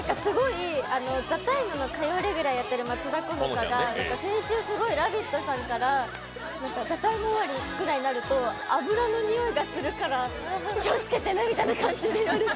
「ＴＨＥＴＩＭＥ，」の火曜レギュラーをやっている松田好花が先週すごい、「ラヴィット」さんから「ＴＨＥＴＩＭＥ，」終わりになると油の匂いがするから本当、気をつけてねみたいに言われて。